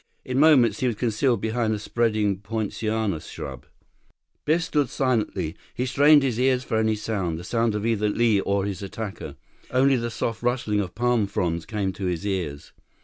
In moments, he was concealed behind a spreading poinciana shrub. 44 Biff stood silently. He strained his ears for any sound, the sound of either Li or his attacker. Only the soft rustling of palm fronds came to his ears.